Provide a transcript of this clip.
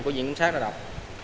của diện kiểm sát đã đọc